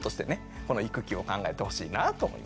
この育休を考えてほしいなと思いますね。